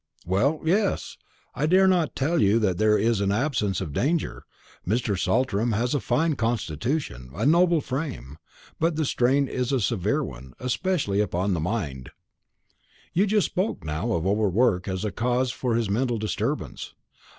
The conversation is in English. "Well, yes; I dare not tell you that there is an absence of danger. Mr. Saltram has a fine constitution, a noble frame; but the strain is a severe one, especially upon the mind." "You spoke just now of over work as a cause for this mental disturbance.